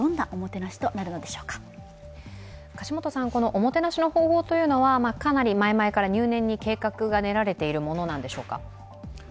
おもてなしの方法はかなり前々から入念に計画が練られているものなんでしょうか。